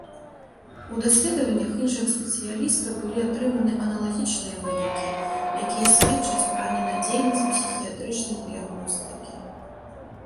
У даследваннях іншых спецыялістаў былі атрыманы аналагічныя вынікі, якія сведчаць пра ненадзейнасць псіхіятрычнай дыягностыкі.